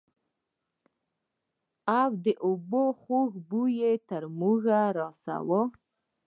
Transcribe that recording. او د اوبو خوږ بوى يې تر موږ رارساوه.